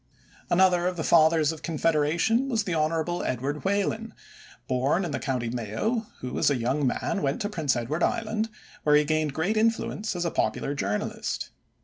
Another of the Fathers of Confederation was the Honorable Edward Whalen, born in the county Mayo, who as a young man went to Prince Edward Island, where he gained great influence as a popular journalist.